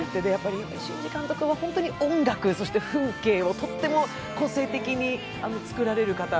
岩井俊二監督は、本当に音楽・風景をとっても個性的に作られる方。